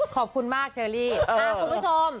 ขอบคุณมากเชอรี่คุณผู้ชม